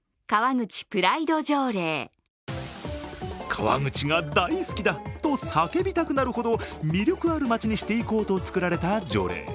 川口が大好きだと叫びたくなるほど魅力ある街にしていこうと作られた条例。